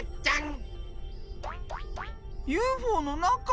ＵＦＯのなか？